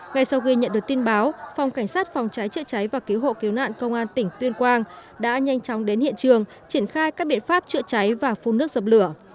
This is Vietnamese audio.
ngay sau khi nhận được tin báo phòng cảnh sát phòng cháy chữa cháy và cứu hộ cứu nạn công an tỉnh tuyên quang đã nhanh chóng đến hiện trường triển khai các biện pháp chữa cháy và phun nước dập lửa